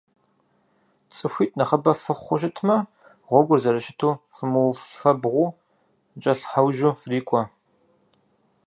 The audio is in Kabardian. Цӏыхуитӏ нэхъыбэ фыхъуу щытмэ, гъуэгур зэрыщыту фымыуфэбгъуу, зэкӏэлъхьэужьу фрикӏуэ.